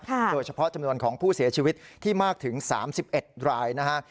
โดยเฉพาะจำนวนของผู้เสียชีวิตที่มากถึง๓๑รายนะฮะ